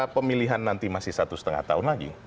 pemilihan nanti masih satu setengah tahun lagi